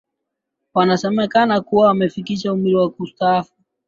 Wanasemekana kuwa wamefikisha umri wa kustaafu